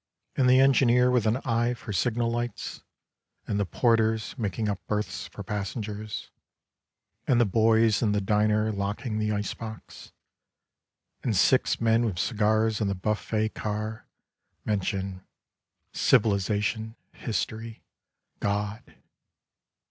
And the engineer with an eye for signal lights. And the porters making up berths for passengers, And the boys in the diner locking the ice box — And six men with cigars in the buffet car mention " civilization," " history," " God."